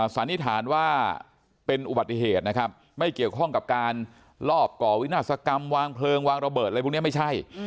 สันนิษฐานว่าเป็นอุบัติเหตุนะครับไม่เกี่ยวข้องกับการลอบก่อวินาศกรรมวางเพลิงวางระเบิดอะไรพวกนี้ไม่ใช่